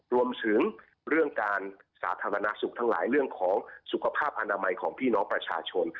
รวมถึงเรื่องการสาธารณสุขทั้งหลายเรื่องของสุขภาพอนามัยของพี่น้องประชาชน